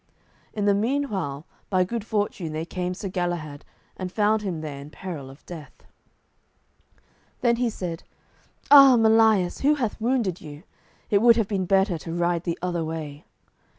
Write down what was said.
In the meanwhile by good fortune there came Sir Galahad and found him there in peril of death. Then he said, "Ah, Melias, who hath wounded you? It would have been better to ride the other way."